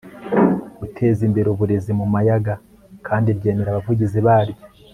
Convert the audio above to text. guteza imbere uburezi mu mayaga kandi ryemera abavugizi baryo